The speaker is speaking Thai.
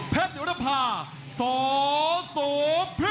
เพชรอุดภาพสวโสพิษ